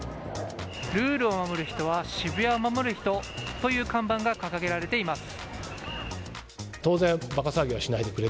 「ルールを守る人は、渋谷を守る人。」という看板が掲げられています。